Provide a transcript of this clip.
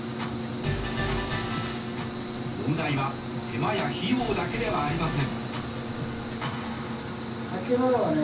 問題は手間や費用だけではありません。